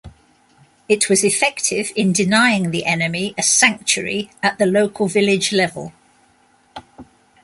It was effective in denying the enemy a sanctuary at the local village level.